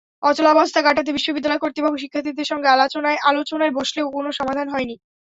অচলাবস্থা কাটাতে বিশ্ববিদ্যালয় কর্তৃপক্ষ শিক্ষার্থীদের সঙ্গে আলোচনায় বসলেও কোনো সমাধান হয়নি।